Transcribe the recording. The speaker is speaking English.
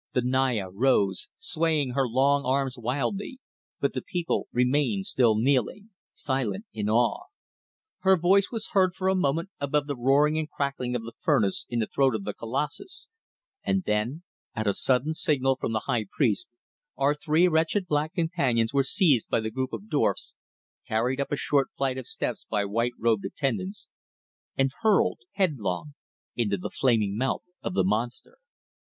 The Naya rose, swaying her long arms wildly, but the people remained still kneeling, silent in awe. Her voice was heard for a moment above the roaring and crackling of the furnace in the throat of the colossus, and then, at a sudden signal from the high priest, our three wretched black companions were seized by the group of dwarfs, carried up a short flight of steps by white robed attendants, and hurled headlong into the flaming mouth of the monster.